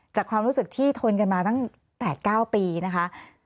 ความรู้สึกที่ทนกันมาตั้ง๘๙ปีนะคะ